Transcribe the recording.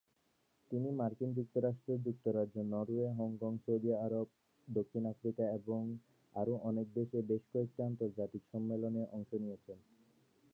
তিনি মার্কিন যুক্তরাষ্ট্র, যুক্তরাজ্য, নরওয়ে, হংকং, সৌদি আরব, দক্ষিণ আফ্রিকা এবং আরও অনেক দেশে বেশ কয়েকটি আন্তর্জাতিক সম্মেলনে অংশ নিয়েছেন।